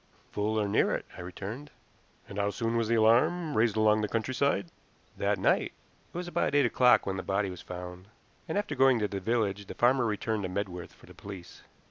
"Full, or near it," I returned. "And how soon was the alarm raised along the countryside?" "That night. It was about eight o'clock when the body was found, and after going to the village the farmer returned to Medworth for the police."